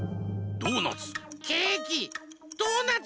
ドーナツ。